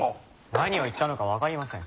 何を言ったのか分かりません。